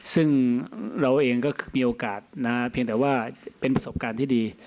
ซึ่งเราเองก็มีโอกาสนะเพียงแต่ว่าเป็นประสบการณ์ที่ดี